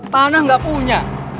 panah nggak punya